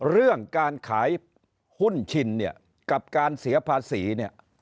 เรื่องการขายหุ้นชินเนี่ยกับการเสียภาษีเนี่ย